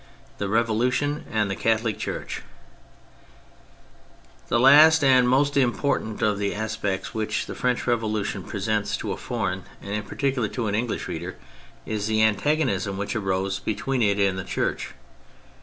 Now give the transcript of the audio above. VI THE REVOLUTION AND THE CATHOLIC CHURCH The last and the most important of the aspects which the French Revolution presents to a foreign, and in particular to an English reader, is the antagonism which arose between it and the Church.